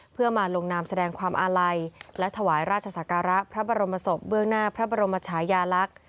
เพื่อมาลงนามแสดงความอาลัยและถวายราชศักระพระบรมศพเบื้องหน้าพระบรมชายาลักษณ์